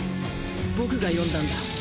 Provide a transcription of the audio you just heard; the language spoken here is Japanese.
僕が呼んだんだ。